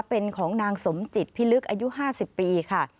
เป็นของนางสมจิตพิลึกอายุ๕๐ปีค่ะ